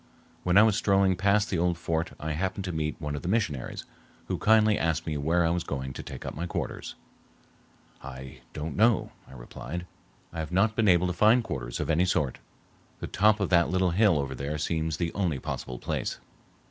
When I was strolling past the old fort I happened to meet one of the missionaries, who kindly asked me where I was going to take up my quarters. "I don't know," I replied. "I have not been able to find quarters of any sort. The top of that little hill over there seems the only possible place."